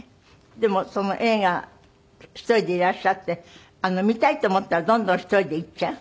でもその映画１人でいらっしゃって見たいと思ったらどんどん１人で行っちゃう？